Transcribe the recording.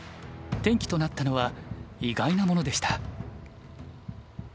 転機となったのは意外なものでした。